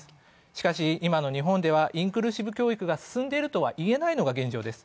しかし、今の日本ではインクルーシブ教育が進んでいるとは言えないのが実情です。